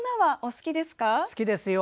好きですよ。